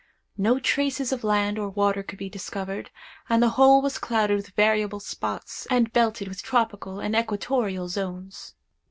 No traces of land or water could be discovered, and the whole was clouded with variable spots, and belted with tropical and equatorial zones.